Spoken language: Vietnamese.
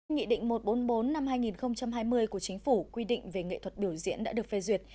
nghị định một trăm bốn mươi bốn năm hai nghìn hai mươi của chính phủ quy định về nghệ thuật biểu diễn đã được phê duyệt